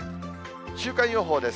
週間予報です。